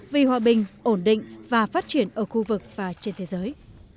vì hòa bình ổn định và phát triển ở khu vực và trên thế giới